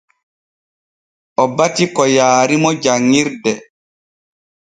O bati ko yaarimo janŋirde.